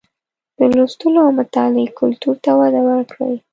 د لوستلو او مطالعې کلتور ته وده ورکړئ